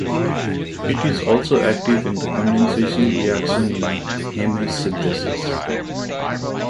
It is also active in the condensation reaction in heme synthesis.